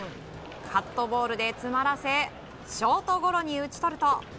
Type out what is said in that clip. カットボールで詰まらせショートゴロに打ち取ると。